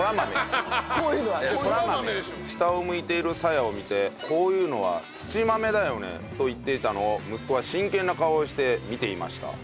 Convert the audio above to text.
下を向いているさやを見てこういうのは土豆だよねと言っていたのを息子は真剣な顔をして見ていました。